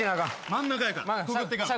真ん中やから。